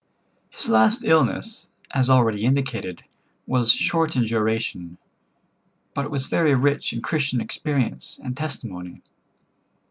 '" His last illness, as already indicated, was short in duration, but it was very rich in Christian experience and testimony.